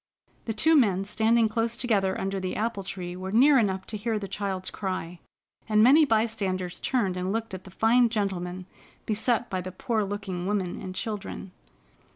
The two men standing close together under the apple tree were near enough to hear the child's cry, and many bystanders turned and looked at the fine gentleman beset by the poor looking woman and children.